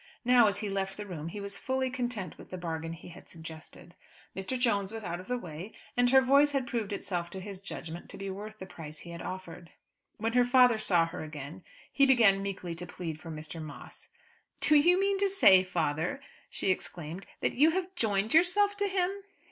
Now, as he left the room, he was fully content with the bargain he had suggested. Mr. Jones was out of the way, and her voice had proved itself to his judgment to be worth the price he had offered. When her father saw her again he began meekly to plead for Mr. Moss. "Do you mean to say, father," she exclaimed, "that you have joined yourself to him?"